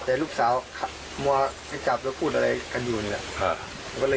แต่ลูกสาวมัวให้จับแล้วพูดอะไรกันอยู่นี่แหละ